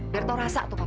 biar tahu rasa itu papa